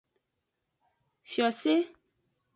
Fiose.